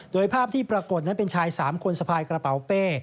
โดยภาพที่ปรากฏนั้นเป็นชาย๓คนสะพายกระเป๋าเป้